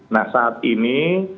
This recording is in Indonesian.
nah saat ini